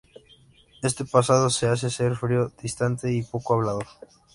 Este pasado le hace ser frío, distante y poco hablador.